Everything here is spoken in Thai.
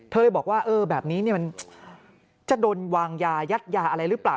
เลยบอกว่าเออแบบนี้มันจะโดนวางยายัดยาอะไรหรือเปล่า